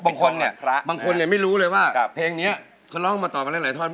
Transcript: บางคนเนี่ยบางคนเนี่ยไม่รู้เลยว่าเพลงนี้เขาร้องมาตอบมาหลายท่อน